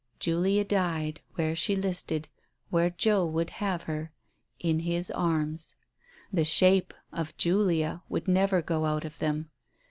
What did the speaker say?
Julia died, where she listed, where Joe would have her — in his arms. The shape of Julia would never go out of them.